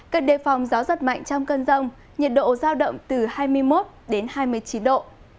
cần đề phòng gió giật mạnh trong cơn rông nhiệt độ giao động từ hai mươi một đến hai mươi chín độ